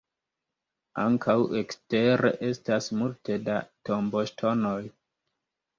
Ankaŭ ekstere estas multe da tomboŝtonoj.